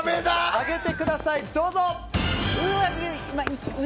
上げてください、どうぞ！